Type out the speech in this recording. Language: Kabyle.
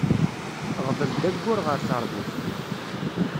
Ɣḍel-d agur ɣer terbut.